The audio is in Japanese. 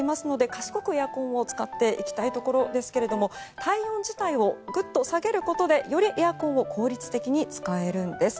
賢くエアコンを使っていきたいところですが体温自体をグッと下げることでよりエアコンを効率的に使えるんです。